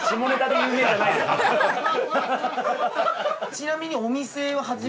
ちなみに。